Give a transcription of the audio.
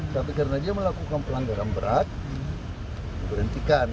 tapi karena dia melakukan pelanggaran berat diberhentikan